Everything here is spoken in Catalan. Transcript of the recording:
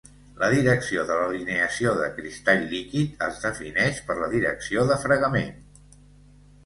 La direcció de l'alineació de cristall líquid es defineix per la direcció de fregament.